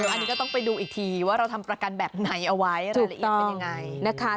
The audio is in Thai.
อันนี้ก็ต้องไปดูอีกทีว่าเราทำประกันแบบไหนเอาไว้รายละเอียดเป็นยังไงนะคะ